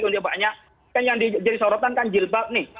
kan yang disorotan kan jilbab nih